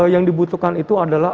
yang dibutuhkan itu adalah